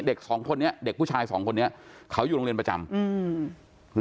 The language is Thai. เด็กสองคนนี้เด็กผู้ชายสองคนนี้เขาอยู่โรงเรียนประจำอืม